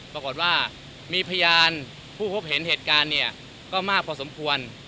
ปรากฏว่ามีพยานผู้พบเห็นเหตุการณ์เนี่ยก็มากพอสมควร